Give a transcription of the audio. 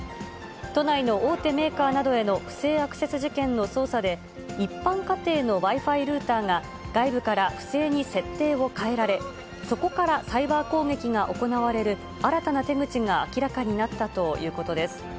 都内の大手メーカーなどへの不正アクセス事件の捜査で、一般家庭のＷｉ−Ｆｉルーターが、外部から不正に設定を変えられ、そこからサイバー攻撃が行われる新たな手口が明らかになったということです。